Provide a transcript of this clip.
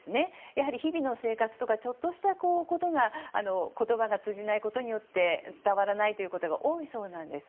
やはり日々の生活とかちょっとしたことが言葉が通じないことによって伝わらないことが多いそうなんです。